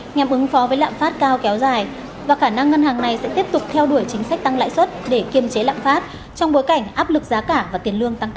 nhằm ứng phó với lạng phát cao kéo dài và khả năng ngân hàng này sẽ tiếp tục tăng trở lại